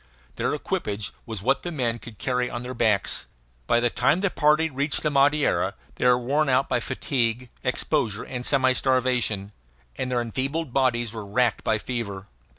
Their equipage was what the men could carry on their backs. By the time the party reached the Madeira they were worn out by fatigue, exposure, and semi starvation, and their enfeebled bodies were racked by fever.